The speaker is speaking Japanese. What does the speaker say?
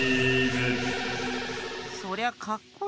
そりゃかっこいいけど。